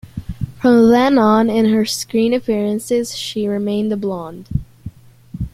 From then on in her screen appearances, she remained a blonde.